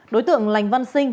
đối tượng lành văn sinh